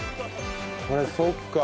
これそっか。